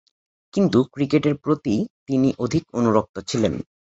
কিন্তু ক্রিকেটের প্রতিই তিনি অধিক অনুরক্ত ছিলেন।